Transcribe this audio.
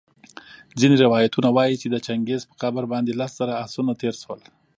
ځیني روایتونه وايي چي د چنګیز په قبر باندي لس زره آسونه تېرسول